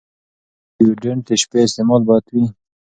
ایا ډیوډرنټ د شپې استعمال باید وي؟